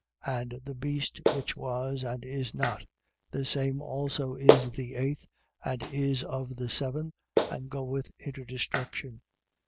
17:11. And the beast which was and is not: the same also is the eighth, and is of the seven, and goeth into destruction.